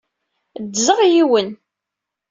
Ddzeɣ yiwen.